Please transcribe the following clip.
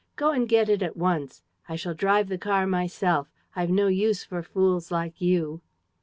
Go and get it at once. I shall drive the car myself. I've no use for fools like you!